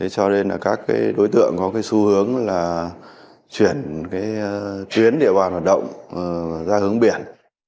cho nên các đối tượng có xu hướng chuyển tuyến địa bàn hoạt động ra hướng biển